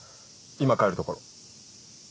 今帰るところ。